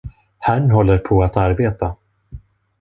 Herrn håller på att arbeta.